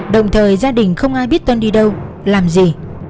đồng thời gia đình không ai biết tuân đi đâu làm gì